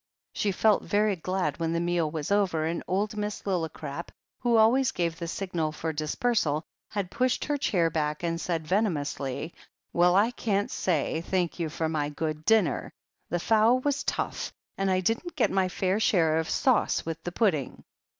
She felt very glad when the meal was over and old Miss Lillicrap— who always gave the signal for dis persal — ^had pushed her chair back, and said venom ously : "Well, I can't say, 'Thank you for my good dinner/ The fowl was tough, and I didn't get my fair share of sauce with the pudding."